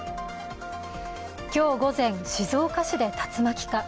今日午前、静岡市で竜巻か。